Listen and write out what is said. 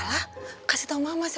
mama kita luar biasa